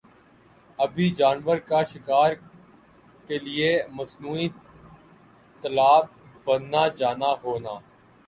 آبی جانور کا شکار کا لئے مصنوعی تالاب بننا جانا ہونا